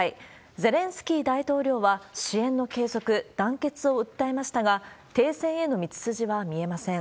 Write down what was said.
ゼレンスキー大統領は、支援の継続、団結を訴えましたが、停戦への道筋は見えません。